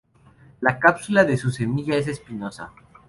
La cápsula de su semilla es espinosa.